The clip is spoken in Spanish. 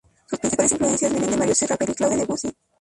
Sus principales influencias vienen de Maurice Ravel y Claude Debussy.